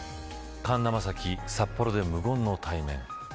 神田正輝、札幌で無言の対面。